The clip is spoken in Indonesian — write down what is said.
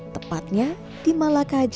tepatnya mereka berdua berada di kampung